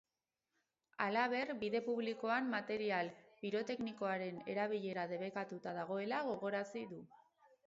Halaber, bide publikoan material piroteknikoaren erabilera debekatuta dagoela gogorarazi du.